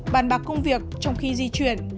bàn bạc công việc trong khi di chuyển